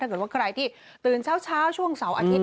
ถ้าเกิดว่าใครที่ตื่นเช้าช่วงเสาร์อาทิตย